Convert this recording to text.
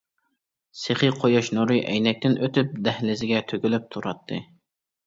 سېخىي قۇياش نۇرى ئەينەكتىن ئۆتۈپ دەھلىزىگە تۆكۈلۈپ تۇراتتى.